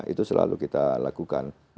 itu selalu kita lakukan